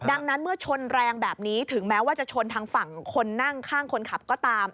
ดังนั้นเมื่อชนแรงแบบนี้ถึงแม้ว่าจะชนทางฝั่งคนนั่งข้างคนขับก็ตาม